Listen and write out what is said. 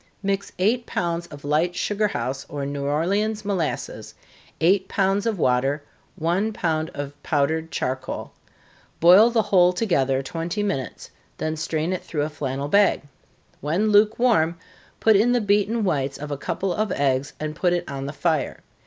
_ Mix eight pounds of light sugar house or New Orleans molasses, eight pounds of water, one pound of powdered charcoal. Boil the whole together twenty minutes, then strain it through a flannel bag. When lukewarm, put in the beaten whites of a couple of eggs, and put it on the fire.